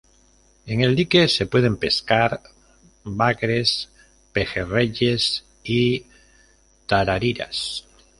En el dique se pueden pescar bagres, pejerreyes y tarariras.